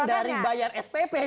dari bayar spp nih